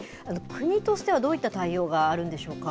国としては、どういった対応があるんでしょうか。